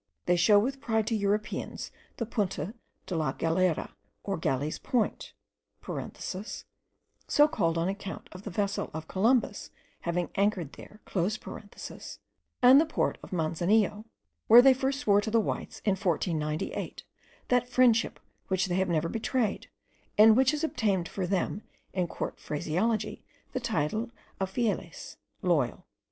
They show with pride to Europeans the Punta de la Galera, or Galley's Point, (so called on account of the vessel of Columbus having anchored there), and the port of Manzanillo, where they first swore to the whites in 1498, that friendship which they have never betrayed, and which has obtained for them, in court phraseology, the title of fieles, loyal.